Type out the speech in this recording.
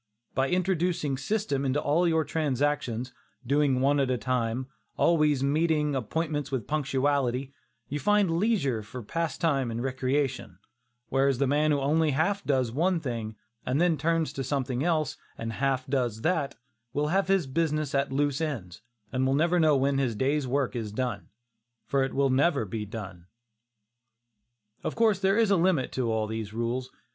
By introducing system into all your transactions, doing one thing at a time, always meeting appointments with punctuality, you find leisure for pastime and recreation; whereas the man who only half does one thing, and then turns to something else and half does that, will have his business at loose ends, and will never know when his day's work is done, for it never will be done. Of course there is a limit to all these rules.